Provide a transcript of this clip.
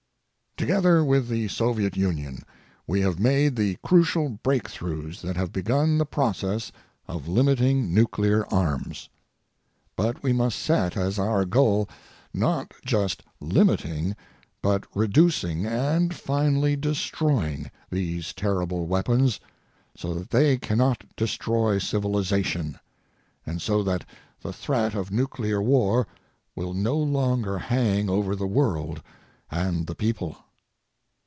Together with the Soviet Union we have made the crucial breakthroughs that have begun the process of limiting nuclear arms. But we must set as our goal not just limiting but reducing and finally destroying these terrible weapons so that they cannot destroy civilization and so that the threat of nuclear war will no longer hang over the world and the people.